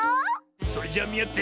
それじゃあみあって。